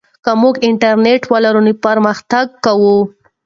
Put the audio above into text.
که موږ انټرنیټ ولرو نو پرمختګ کوو.